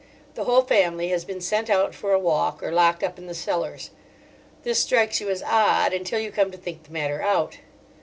The whole family has been sent out for a walk or locked up in the cellars. This strikes you as odd until you come to think the matter out.